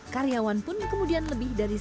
karyawan pun kemudian lebih dari seratus orang